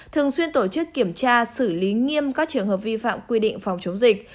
thường xuyên tổ chức kiểm tra xử lý nghiêm các trường hợp vi phạm quy định phòng chống dịch